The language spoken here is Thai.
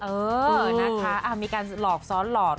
เออนะคะมีการหลอกซ้อนหลอก